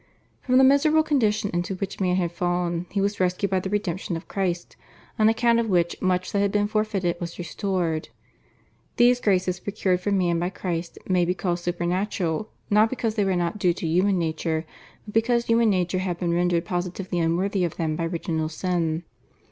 From the miserable condition into which man had fallen he was rescued by the Redemption of Christ, on account of which much that had been forfeited was restored. These graces procured for man by Christ may be called supernatural, not because they were not due to human nature, but because human nature had been rendered positively unworthy of them by Original Sin.